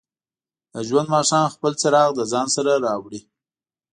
د ژوند ماښام خپل څراغ د ځان سره راوړي.